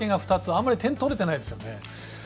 あまり点が取れてないですよね。